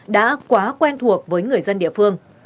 đã quá quen thuộc với người dân địa phương